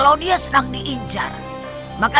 tapi dia bukan orang sembarangan